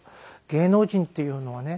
「芸能人っていうのはね